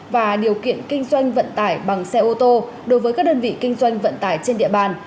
và điều kiện kinh doanh vận tải bằng xe ô tô đối với các đơn vị kinh doanh vận tải trên địa bàn